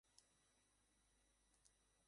থামো, খুঁজছি আমি।